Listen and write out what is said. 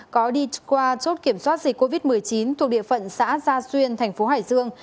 có đi qua chốt kiểm soát dịch covid một mươi chín thuộc địa phận xã gia xuyên thành phố hải dương